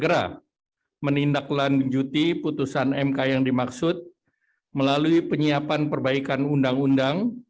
selanjutnya pemerintah akan segera menindaklanjuti putusan mk yang dimaksud melalui penyiapan perbaikan undang undang